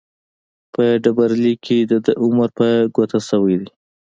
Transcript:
په ډبرلیک کې دده عمر په ګوته شوی دی.